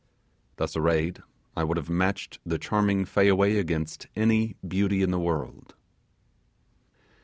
Thus arrayed, I would have matched the charming Fayaway against any beauty in the world.